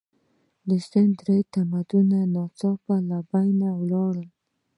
د سند درې تمدن ناڅاپه له منځه لاړ.